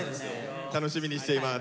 楽しみにしています。